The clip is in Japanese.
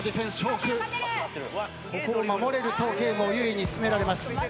北ここを守れるとゲームを優位に進められます。